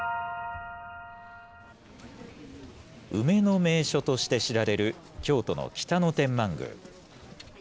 梅の名所として知られる京都の北野天満宮。